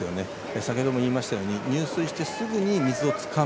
先ほども言いましたように入水してすぐに水をつかむ。